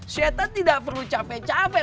setan tidak perlu capek capek